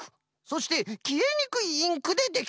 そしてきえにくいインクでできておる。